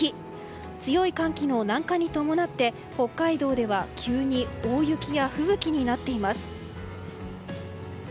強い寒気の南下に伴って北海道では急に大雪や吹雪になっています。